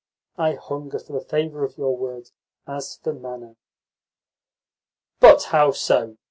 I hunger for the favour of your words as for manna." "But how so?